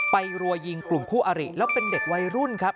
รัวยิงกลุ่มคู่อาริแล้วเป็นเด็กวัยรุ่นครับ